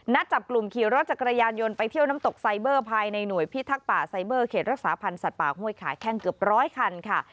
จับกลุ่มขี่รถจักรยานยนต์ไปเที่ยวน้ำตกไซเบอร์ภายในหน่วยพิทักษ์ป่าไซเบอร์เขตรักษาพันธ์สัตว์ป่าห้วยขาแข้งเกือบร้อยคันค่ะ